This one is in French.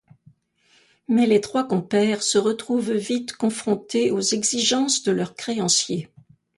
Mais, les trois compères se trouvent vite confrontés aux exigences de leurs créanciers.